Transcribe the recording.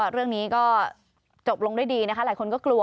เรื่องนี้ก็จบลงด้วยดีนะคะหลายคนก็กลัว